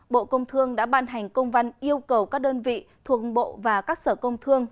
bộ công thương đã ban hành công văn yêu cầu các đơn vị thuộc bộ và các sở công thương